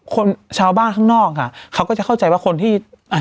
คนชาวบ้านข้างนอกค่ะเขาก็จะเข้าใจว่าคนที่อ่ะ